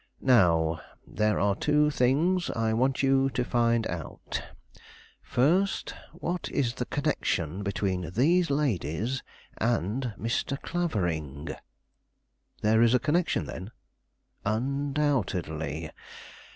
Now there are two things I want you to find out; first, what is the connection between these ladies and Mr. Clavering " "There is a connection, then?" "Undoubtedly.